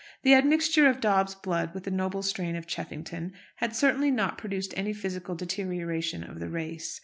The admixture of Dobbs blood with the noble strain of Cheffington had certainly not produced any physical deterioration of the race.